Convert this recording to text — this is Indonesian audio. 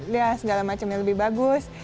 ya segala macamnya lebih bagus